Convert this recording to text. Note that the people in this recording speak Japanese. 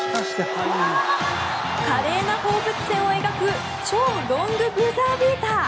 華麗な放物線を描く超ロングブザービーター。